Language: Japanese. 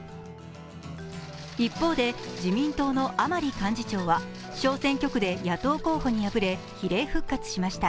一方で、自民党の甘利幹事長は小選挙区で野党候補に敗れ比例復活しました。